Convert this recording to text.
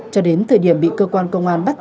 cho đến thời điểm bị cơ quan công an bắt